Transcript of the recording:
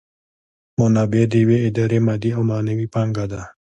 منابع د یوې ادارې مادي او معنوي پانګه ده.